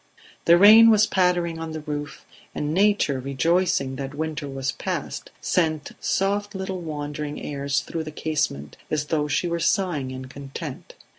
The rain was pattering on the roof, and nature, rejoicing that winter was past, sent soft little wandering airs through the casement as though she were sighing in content.